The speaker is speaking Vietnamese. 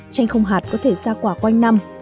chanh không hạt có thể ra quả quanh năm